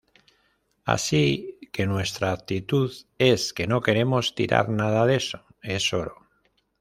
Así que nuestra actitud es que no queremos tirar nada de eso, es oro.